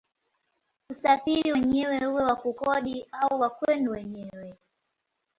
Usafiri wenyewe uwe wa kukodi au wa kwenu wenyewe